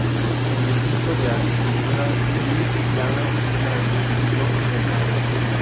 El ministro de Agricultura, Luis Planas, la sustituyó en el cargo.